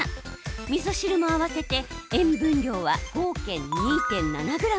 みそ汁も合わせて塩分量は、合計２．７ｇ。